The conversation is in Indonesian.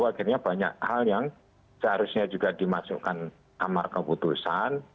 akhirnya banyak hal yang seharusnya juga dimasukkan amar keputusan